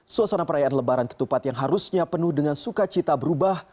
suasana perayaan lebaran ketupat yang harusnya penuh dengan sukacita berubah